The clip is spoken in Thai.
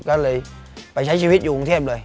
ก็เลยไปใช้ชีวิตอยู่กรุงเทพเลย